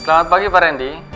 selamat pagi pak rendy